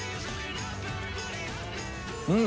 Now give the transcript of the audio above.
うん！